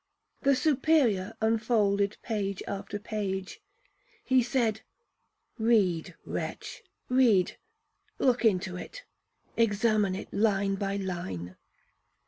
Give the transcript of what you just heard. The Superior unfolded page after page. He said, 'Read, wretch! read,—look into it, examine it line by line.'